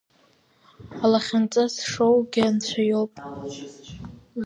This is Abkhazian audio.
Алахьынҵа зшоугьы анцәа иоуп.